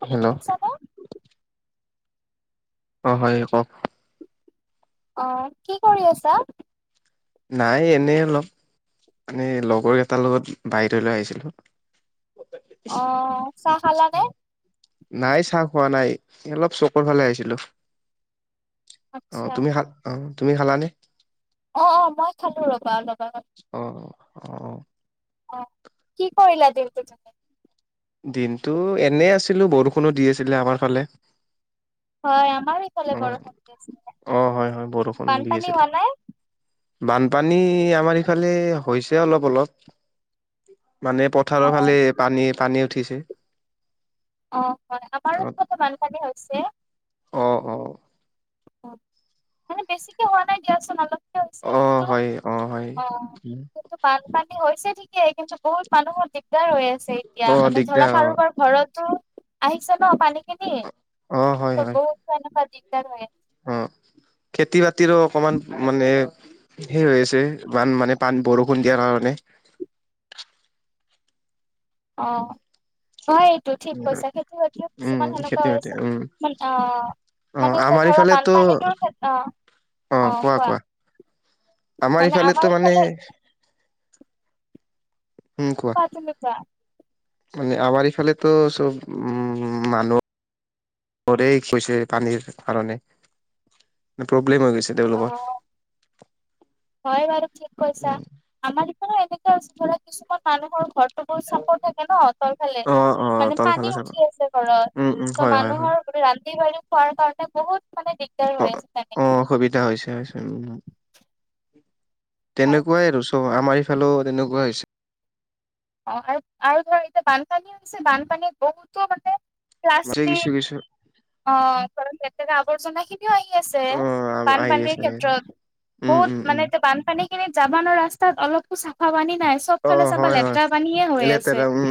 শুনা হেল্ল'? পাইছানে? অ'! হয়, কওঁক? অ'! কি কৰি আছা? নাই, এনেই অলপ। মানে, লগৰকেইটাৰ লগত বাহিৰত ওলাই আহিছিলোঁ। অ'! চাহ খালানে? নাই, চাহ খোৱা নাই। এ, অলপ চপৰ ফালে আহিছিলোঁ। অ'! আচ্ছা, তুমি খা অ'! তুমি খালানে? অ'! অ'! মই খালোঁ ৰ'বা, অলপ আগত। অ'! অ'! অ'! কি কৰিলা দিনতো তুমি? দিনটো এনেই আছিলোঁ। বৰষুণো দি আছিলে আমাৰ ফালে। হয়! আমাৰ সেইফালে অ বৰষুণ দিছিলে। অ হয় হয় বৰষুণ দি বানপানী আছিলে হোৱা নাই? বানপানী, আমাৰ এইফালে হৈছে অলপ, অলপ। মানে, পথাৰৰ ফালে অ' পানী, পানী উঠিছে। অ'! হয়! আমাৰো ত' বানপানী হৈছে। অ'! অ'! [unintelligible] মানে, বেছিকে হোৱা নাই দিয়াচোন! অলপ অ' হয়! অ' হয়! উম! টো বানপানী হৈছে ঠিকেই কিন্তু বহুত মানুহৰ দিগদাৰ হৈ আছ তে এতিয়া অ মানে ধৰা দিগদাৰ কাৰোবাৰ ঘৰতো আহিছে ন পানীখিনি অ অ হয় ত হয় বহুত এনুকোৱা দিগদাৰ হয়। অ, খেতি বাতিৰো অকমান মানে সেই হৈ আছে ইমান মানে পান বৰষুণ দিয়াৰ কাৰণে। অ'হ। হয় এইটো ঠিক কৈছা সেইটো এতিয়াও উম কিছুমান সেনেকুৱা খেতি হৈ বাতি আছে উম মানে আ অ মানে এতিয়া আমাৰ ধৰা ইফালেতো বালপানীটো চে আ অ কোৱা কোৱা? আমাৰ মানে ইফালে তো মানে এইফালে উম খোৱা, কোৱা তুমি কোৱা মানে আমাৰ ইফালেতো চব উম মানুহ ঘৰে হৈছে পানীৰ কাৰণে, ন প্ৰব্লেম হৈ গৈছে অ তেওঁলোকৰ? হয় বাৰু ঠিক কৈছা, উম আমাৰ সেইফালে এনেকুৱা আছে ধৰা কিছুমান মানুহৰ ঘৰ টোপো চাপো থাকে ন তলফালে অ অ মানে তলফালে পানী চাব উঠি আছে ঘৰত, উম উম ত হয় হয় হয় মানুহৰ গোটে ৰান্ধি - বাৰি খোৱাৰ কাৰণে বহুত মানে দে অ অ অসুবিধা হৈছে হৈছে উম অ তেনেকুৱাই আৰু চু ত' আমাৰ ইফালেও তেনেকুৱা হৈছ অ আৰু আৰু ধৰ এতিয়া বানপানী হৈছে, বানপানীত বহুতো মানে মাজে প্লাষ্টিক কিছু কিছু অ তৰ লেতেৰা আৱৰ্জনা কি কিয় আহি আছে অ আহি বানপানীৰ আছে আহি আছে ক্ষেত্ৰত উম উম বহুত উম মানে এটো বানপানী খিনি জাবানৰ ৰাস্তাত অলপকো চাফা পানী নাই চু চব অ ফালে চাবা হয় হয় লেতেৰা পানীয়ে হৈ আছে লেতেৰা উম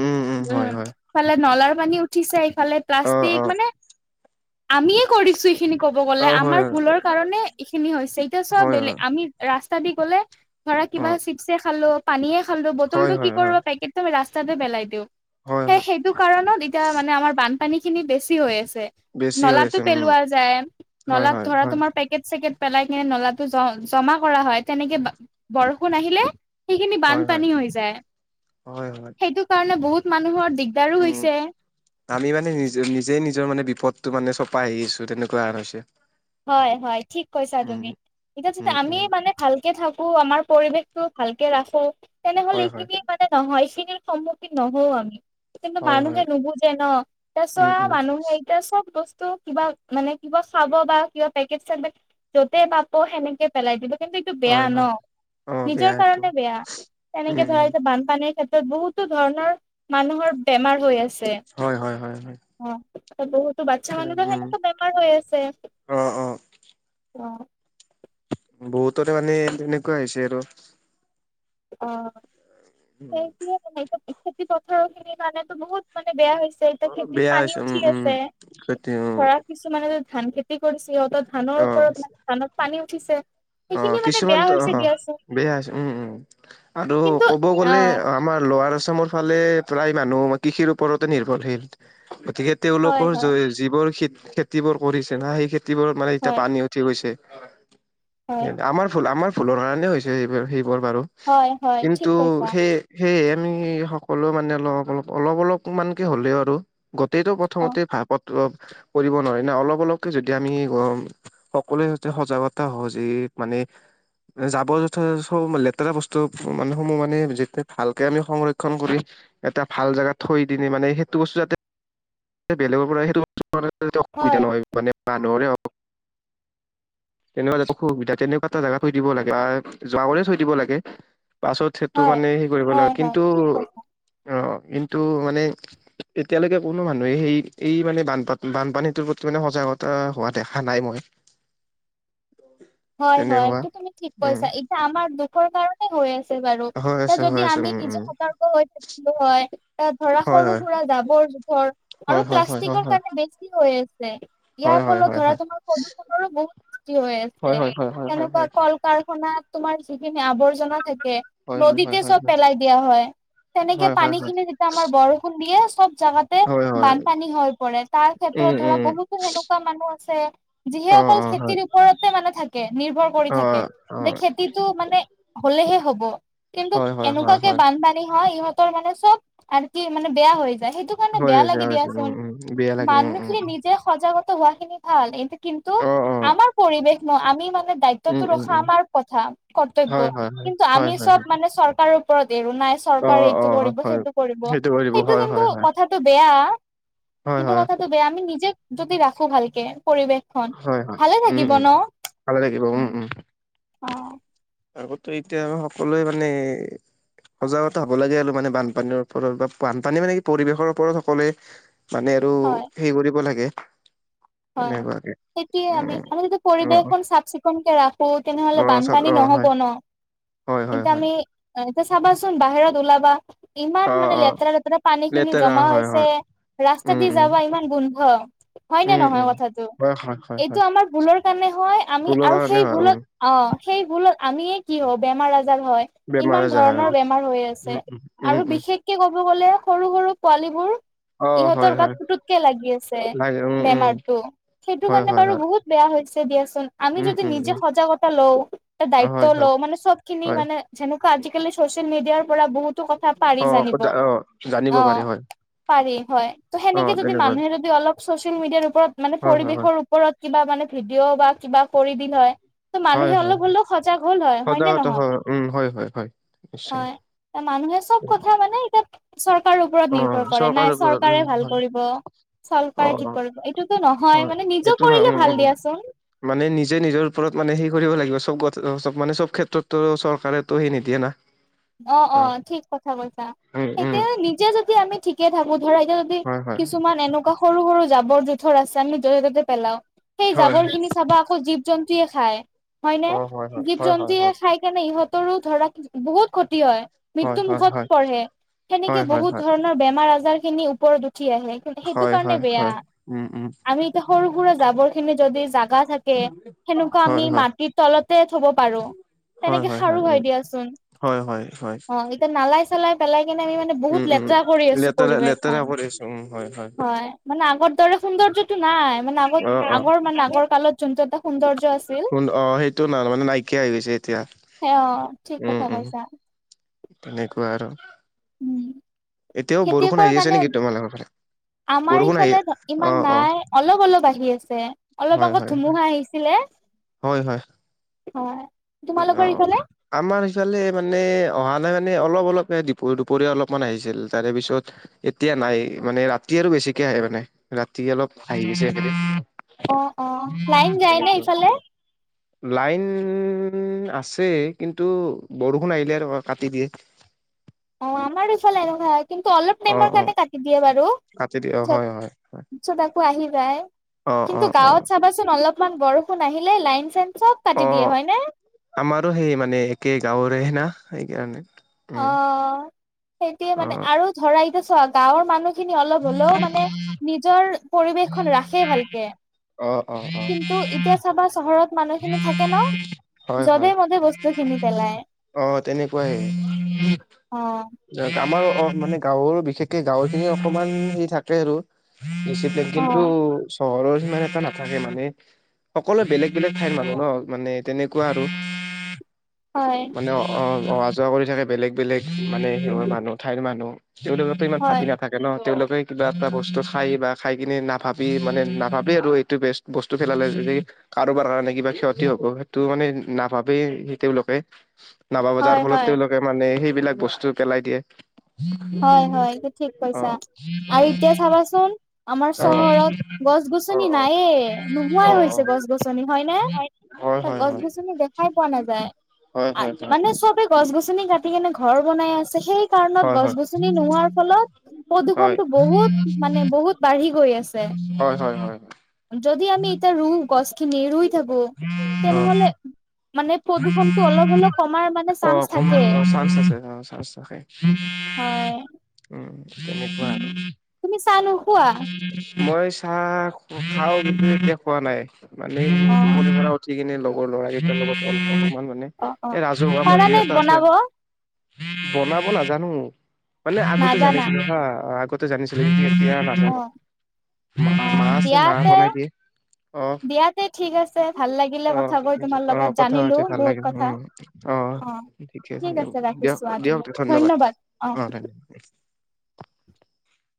হয় উম। হয় ইফালে নলাৰ পানী উঠিছে, ইফালে অ অ প্লাষ্টিক মানে আমিয়ে কৰিছো এইখিনি কব গলে, অ হয় আমাৰ ভুলৰ কাৰণে এইখিনি হৈছে এতিয়া চোৱা হয় বেলেগ হয় আমি ৰাস্তা দি গ'লে, ধৰা অ কিবা চিপছে খালো, পানীয়ে খালো হয় বটলটো কি হয় কৰো হয় পেকেট টো ৰাস্তাতে পেলাই দিও, হয় সেই হয় সেইটো কাৰণত এতিয়া মানে আমাৰ বান পানীখিনি বেছি হৈ আছে, বেছি হৈ নলাটো আছে উম পেলোৱা যায়, হয় নলাত হয় ধৰা হয় তোমাৰ পে কেট - চেকেট পেলাই কিনে নলাটো জ জমা কৰা হয় তেনেকে বা বৰষুণ আহিলে সেইখিনি হয় হয় বানপানী হৈ যায়, হয় হয় সেইটো কাৰণে বহুত মানুহৰ দিগদাৰো উম হৈছে। আমি মানে নিজ নিজেই নিজৰ মানে বিপদটো মানে চপাই আহি আছো তেনেকুৱা এ হৈছে। হয় হয় ঠিক কৈছা উম তুমি, এতিয়া উম তেতিয়া আমি উম মানে ভাল কে থাকো আমাৰ পৰিৱেশটো ভালকে ৰাখো, তেনেহলে হয় হয় এইখিনি মানে নহয়, এইখিনিৰ সন্মুখীন নহওঁ আমি। কিন্তু হয় মানুহে হয় নুবুজে ন? উম তাৰছোৱা উম মানুহে এতিয়া চব বস্তু কিবা মানে কিবা খাব বা কিবা পেকেট- চেকেট য'তেই পাব সেনেকে পেলাই দিলো কিন্তু এইটো বেয়া হয় ন? হয় অ বেয়া নিজৰ এইটো কাৰণে বেয়া, উম তেনেকে ধৰা উম এতিয়া বানপানীৰ ক্ষেত্ৰত বহুত তো ধৰণৰ মানুহৰ বেমাৰ হৈ আছে। হয় হয় হয় হয়। অ, ত বহুতো বাচ্ছা তেনে মানুহো উম সেনেকুৱা বেমাৰ হৈ আছে। অ অ। অ। বহুতৰে মানে এ এনেকুৱা হৈছে আৰু। অহ, উম সেইটোয়ে মানে এই খেতি পথাৰখিনি মানেতো বহুত মানে বেয়া হৈ তে এতিয়া খেতিত বেয়া পানী হৈছে উম উঠি উম আছে সেইটো ধৰা কিছুমানে ধান খেতি কৰিছে, সিহঁতৰ ধানৰ অ ওপৰত মানে ধানত পানী উঠিছে। অ সেইখিনি মানে কিছুমান বেয়া অ হৈছে দিয়াচোন বেয়া হৈছে উম উম আৰু কিন্তু ক'ব গ'লে অ' আমাৰ লৱাৰ অসমৰ ফালে প্ৰায় মানুহ আমাৰ কৃষিৰ ওপৰতে নিৰ্ভৰশীল গতিকে হয় তেওঁলোকৰ হয় যিবোৰ খে খেতিবোৰ কৰিছে না সেই খেতিবোৰ মানে এতিয়া হয় পানী উঠি গৈছে হয় আমাৰ ভুল আমাৰ ভুলৰ কাৰণে হৈছে সেইবা সেইবোৰ বাৰু হয় হয় ঠিক কিন্তু কৈছা সেই সেয়ে আমি সকলো মানে অলপ অলপ অলপ অলপ মানকে হ'লেও আৰু গোটেইটো অ' প্ৰথমতে ভাপত দপ, কৰিব নোৱাৰি না অলপ অলপকে যদি আমি স সকলোৱে যতে সজাগতা সহজ এই পানে জাবৰ জোথৰ লেতেৰা বস্তু মানে সমূহ মানে যেতিয়া ভালকে আমি সংৰক্ষন কৰি এটা ভাল জেগা থৈ দিনে মানে সেইটো বস্তু যাতে বেলেগৰ পৰা সেইটো হয় অসুবিধা নহয় মানে মানুহৰে হক তেনেকুৱা জেগাত অসুবিধা তেনেকুৱা এটা জেগা থৈ দিব লাগে বা জাবৰে থৈ দিব লাগে পাছত সেইটো হয় মানে সেই কৰিব হয় লাগে হয় কিন্তু ঠিক কৈছা অ কিন্তু মানে এতিয়ালৈকে কোনো মানুহে সেই এই মানে বানপান বানপানীটোৰ প্ৰতি মানে সজাগতা হোৱা দেখা নাই মই [unintelligible] হয় হয় এইটো তুমি ঠিক উম কৈছা এতিয়া আমাৰ দুখৰ কাৰণ হৈ আছে বাৰু হয় তে আছে যদি হয় আছে আমি উম নিজে উম সতৰ্ক হৈ থাকিলো হয় তাত ধৰা হয় সৰু হয় সুৰা জাবৰ জোথৰ আৰু হয় হয় হয় হয় প্লাষ্টিকৰ হয় কাৰণে বেছি হৈ আছে ইয়াৰ হয় হয় ফলত হয় হয় ধৰা তোমাৰ প্ৰদূষণৰো বহুত সৃষ্টি হৈ হয় আছে হয় হয় হয় হয় তেনেকুৱা হয় কল কাৰখানাত তোমাৰ যিখিনি আৱৰ্জনা থাকে হয় হয় নদীতে হয় চব হয় পেলাই দিয়া হয় তেনেকে হয় হয় হয় পানীখিনি যেতিয়া আমাৰ বৰষুণ দিয়ে চব জাগাত তে হয় হয় বানপানী হৈ পৰে তাৰ ক্ষেত্ৰত উম ধৰা উম বহুতো সেনেকুৱা মানুহ আছে যিহে অ অকল অ হয় খেতিৰ ওপৰতে মানে থাকে নিৰ্ভৰ কৰি অ থাকে অ যে খেতিটো মানে হলেহে হ'ব কিন্তু হয় হয় হয় এনেকুৱাকে হয় বানপানী হয় ইহত ইহতৰ মানে চব আৰু কি মানে বেয়া হৈ যায় সেইটো সেই কাৰণে হৈ বেয়া আছে লাগে হৈছে উম দিয়াচোন উম বেয়া লাগে উম উম মানুহখিনি নিজে সজাগতা হোৱা খিনি ভাল, ইহঁতে কিন্তু অ অ আমাৰ পৰিৱেশ ন আমি মানে উম দায়িত্বটো উম ৰখা উম আমাৰ কথা কৰ্তব্য হয় হয় হয় কিন্তু হয় আমি হয় চব হয় মানে চৰকাৰৰ ওপৰত এৰো নাই অ চৰকাৰ অ এইটো কৰিব হয় সেইটো কৰিব কৰি দিব সেইটো হয় হয় কিন্তু হয় কথাটো বেয়া হয় সেইটো হয় কথাটো বেয়া আমি নিজে যদি ৰাখো ভালকে পৰিৱেশ হয় হয় উম গিব উম ন ভালে লাগিব উম উম অ আগতো এতিয়া সকলোৱে মানে সজাগতা হ'ব লাগে আৰু মানে বানপানীৰ ওপৰত বা বানপানী মানে কি পৰিৱেশৰ ওপৰত সকলোৱে মানে আৰু হয় হেৰি কৰিব লাগে হয় তেনেকুৱাকে সেইটোয়ে আমি উম আমি যদি অ পৰিৱেশখন চাফ চিকুণকে ৰাখো অ তেনেহলে চব অ বানপানী হয় নহব ন হয় হয় হয় অ এতিয়া চাবাচোন বাহিৰত ওলাবা ইমান অ মানে অ লেতেৰা লেতেৰা পানী খিনি লেতেৰা জমা হয় হৈছে হয় ৰাস্তা উম দি উম যাব ইমান গোন্ধ হয় নে উম নহয় উম কথাটো হয় হয় হয় এইটো হয় আমাৰ ভুলৰ কাৰণে হয় আমি ভুলৰ আৰু কাৰণে সেই হয় উম ভুলত অ সেই ভুলত আমিয়ে কিয় বেমাৰ আজাৰ হয় বেমাৰ ইমান আজাৰ হয় ধৰণৰ উম বেমাৰ হৈ আছে উম উম আৰু উম বিশেষকে ক'ব গ'লে সৰু সৰু পোৱালী বোৰ অ হয় ইহঁতৰ হয় গাত পুতোকে লাগি আছে লাগে উম উম বেমাৰটো সেইটো হয় কাৰণে হয় বাৰু হয় বহুত বেয়া হৈছে দিয়াচোন আমি উম যদি উম নিজে উম সজাগতা লওঁ এ অ হয় দায়িত্ব হয় লওঁ মানে সবখিনি হয় মান যেনেকুৱা আজিকালি ছচিয়েল মিডিয়াৰ পৰা বহুতো কথা অ পাৰি জানিব অ জানিব অ পাৰি হয় পাৰি হয় ত অ সেনেকে যদি তেনেকৈ মানুহে যদি অলপ চছে ছ'চিয়েল মিডিয়াৰ ওপৰত মানে হয় হয় হয় পৰিৱেশৰ ওপৰত কিবা মানে ভিডিঅ' বা কিবা কৰি দিলহে ত' হয় মানুহে হয় অলপ হ'লেও সজাগ হ'ল হয়- হয় নে সজাগত নহয়? উম হয় হয় হয় নিশ্চয় হয় মানুহে চব কথা মানে এতিয়া চৰকাৰৰ ওপৰত অ নিৰ্ভৰ কৰে চৰকাৰৰ নাই ওপৰত উম চৰকাৰে ভাল হয় কৰিব অ চৰকাৰে থি এইটোতো নহয় হয় মানে নিজে এইটো নহয় কৰিলে উম উম ভাল দিয়াচোন মানে নিজে নিজৰ ওপৰত মানে সেই কৰিব লাগিব চব মানে চব ক্ষেত্ৰটো চৰকাৰেতো সেই নিদিয়ে না অ অ ঠিক কথা কৈছা উম উম তেতিয়াও নিজে যদি আমি ঠিকে থাকো ধৰা এতিয়া সেই হয় হয় কিছুমান এনেকুৱা সৰু-সৰু জাবৰ- জোথৰ আছে আমি য'তে ত'তে পেলাওঁ সেই হয় জাবৰ খিনি চাবা আকৌ জীৱ- জন্তুয়ে খায় হয় নে অ হয় হয় জীৱ হয় হয় জন্তুয়ে হয়। খাই সেইকাৰণে ইহঁতৰো ধৰা বহুত ক্ষতি হয়। হয় মৃত্যু হয় মুুখত হয় পৰহে সেনেকে হয় হয় বহুত ধৰণৰ বেমাৰ আজাৰ খিনি ওপৰত উঠি আহে। সেইটো হয় হয় কাৰণে হয় বেয়া হয় উম উম আমি এতিয়া সৰু সুৰা জাবৰ খিনি যদি জাগা থাকে সেনেকুৱা হয় আমি হয় মাটিৰ তলতে থব পাৰো। তেনেকে সাৰো হয় দিয়াচোন। হয়- হয় - হয়চ অ, এতিয়া নালায় চ চেলাই পেলাই কিনে আমি মানে বহুত উম উম লেতৰা কৰি আছোঁ লেতেৰা লেতেৰা পৰিবেশখন কৰি আছো উম হয় হয়। মানে আগৰ দৰে সৌন্দৰ্যটো নাই মানে আগত অ অ আগৰ মানে আগৰ কালত যোনটো এটা সৌন্দৰ্য আছ সোণ অ, সেইটো নাই অ, মানে নাইকিয়া হৈ গৈছে এতিয়া সে অ', ঠিক কথা উম- উম। কৈছা তেনেকুৱা আৰু। উম, এতিয়াও বৰষুণ খেতিয়কৰ আহি আছে কাৰণে নেকি তোমাৰলোকৰ ফালে? আমাৰ বৰষুণ আহি ইফালে অ ইমান অ নাই অলপ -অলপ আহি আছে। অলপ হয় আগত হয় ধুমুহা আহিছিলে। হয়। হয়। উম, অ। তোমালোকৰ ইফালে আমাৰ সিফালে মানে অহা নাই মানে অলপ- অলপ হে দীপ দুপৰীয়া অলপমান আহিছিল তাৰে পিছত এতিয়া নাই মানে ৰাতি আৰু বেছিকে আহে মানে ৰাতি অলপ আহি আছে এইকেদিন। অ', অ', লাইন যায় নে ইফালে? লাইন উম, আছে কিন্তু বৰষুণ আহিলে ৰবা কাটি দিয়ে। অ, আমাৰো ইফালে এনেকুৱা হয় কিন্তু অলপ অ', টাইমৰ অ', কাৰণে কাটি দিয়ে বাৰু কাটি দিয়ে অ' হয়, হয়। পিছত পিচত আকৌ আহি যায় অ', কিন্তু অ', অ', গাঁৱত চাবাচোন অলপ অকমান বৰষুণ আহিলে লাইন চাইন চব কাটি দিয়ে অ', হয় নে? আমাৰো সেই মানে একে গাঁৱৰেহে না সেইকাৰণে। অ, উম, সেইটোয়ে মানে অ', আৰু ধৰা এতিয়া চোৱা গাঁৱৰ মানুহ খিনি অলপ হ'লেও মানে নিজৰ পৰিৱেশখন ৰাখে ভালকে। অ', অ', অ', কিন্তু এতিয়া চাবা চহৰত মানুহ খিনি থাকে হয়, ন' হয়, যধে মধে বস্তু তো কিনি পেলাই। অ, তেনেকুৱাহে। অ', আমাৰো অ, মানে গাঁৱৰো বিশেষকে গাঁৱৰ খিনি অকমান সেই থাকে আৰু। দিছিপ্লিন কিন্তু অ' চহৰৰ সিমান এটা নাথাকে মানে সকলোৱে বেলেগ -বেলেগ ঠাইৰ মানুহ ন' মানে তেনেকুৱা আৰু হয়। অ', অ', অহা যোৱা কৰি থাকে বেলেগ -বেলেগ মানে [unintelligible] মানুহ ঠাইৰ মানুহ তেওঁলোকেতো ইমান হয় ভাবি নাথাক থাকে ন'তেওঁলোকে কিবা এটা বস্তু খাই বা খাই কিনে নাভাবি মানে নাভাবে আৰু এইটো বেষ্ট। বস্তু ফেলালে যদি কাৰোবাৰ কাৰণে কিবা ক্ষতি হ'ব সেইটো মানে নাভাবেই তেওঁলোকে। নাভাবে হয় যাৰ ফলত হয় তেওঁলোকে মানে সেইবিলাক বস্তু পেলাই দিয়ে। হয় হয় এইটো ঠিক অ। কৈছা আৰু এতিয়া চাবাচোন - আমাৰ অ অ চহৰত গছ- অ গছনি অ নাইয়ে, অ নোহোৱাই হৈছে গছ- গছনি হয়নে? হয় গছ -গছনি দেখাই পোৱা নাযায় হয় হয় মানে এ চবে গছ -গছনি কাটি কিনে ঘৰ বনাই আছে সেই কাৰণত হয় গছ হয় -গছ তুমি নোহোৱাৰ ফলত হয় প্ৰদূষণটো বহুত মানে বহুত বাঢ়ি গৈ আছে। হয়, হয়, হয়। হয় যদি আমি এতিয়া ৰুও গছখিনি ৰুই থাকো অ তেনেহলে মানে প্ৰদূষণটো অলপ হলেও কমাৰ মানে অ চান্স ক থাকে চান্স আছে অ চান্স থাকে হয়। উম তেনেকুৱা উম আৰু তুমি চা নু মই চাহ খাও, কিন্তু এতিয়া খোৱা নাই, মানে অ। টোপনি উঠি কিনে লগৰ লৰা কেইটামান মানে অ অ এই ৰাজহুৱা পাৰানে মন্দিৰ এটা আছে বনাব বনাব নাজানো, মানে আগতে নাজানা জানিছিলো হা আগতে জানিছিলো। এতিয়া অ নাজানো, অ মা আছে মা দিয়াতে বনাই দিয়ে। অহ, দিয়াতে ঠিক আছে ভাল লাগিলে অহ, কথা কৈ তোমাৰ অহ, লগত কথা জানিলো পাতি ভাল বহুত লাগিল কথা উম। অহ অ ঠিকেছে আছে দিয়ক, দিয়ক ধন্যবাদ অ ধন্যবাদ।